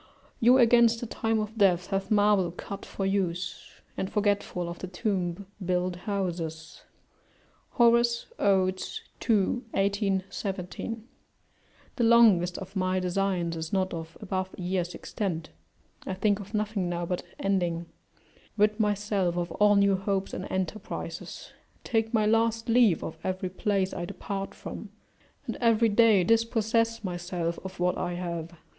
["You against the time of death have marble cut for use, and, forgetful of the tomb, build houses." Horace, Od., ii. 18, 17.] The longest of my designs is not of above a year's extent; I think of nothing now but ending; rid myself of all new hopes and enterprises; take my last leave of every place I depart from, and every day dispossess myself of what I have.